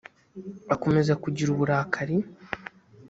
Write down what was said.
akomeza kugira uburakari